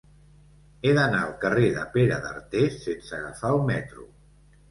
He d'anar al carrer de Pere d'Artés sense agafar el metro.